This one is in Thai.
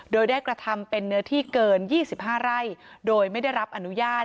โดยได้กระทำเป็นเนื้อที่เกิน๒๕ไร่โดยไม่ได้รับอนุญาต